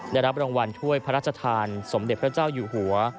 ได้รับรางวัลถ้วยพระราชทานสมเด็จพระเจ้าอยู่หัว